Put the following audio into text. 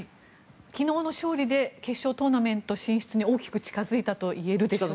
昨日の勝利で決勝トーナメント進出に大きく近づいたといえるでしょうか？